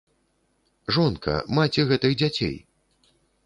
Жонка, маці гэтых дзяцей!